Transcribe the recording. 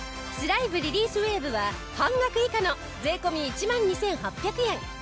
スライヴリリースウェーブは半額以下の税込１万２８００円！